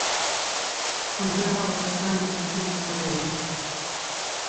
خو زه هغو کسانو ته چورت وړى وم.